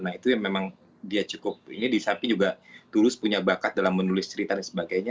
nah itu yang memang dia cukup ini di sapi juga tulus punya bakat dalam menulis cerita dan sebagainya